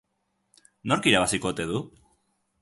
Nork irabaziko ote du?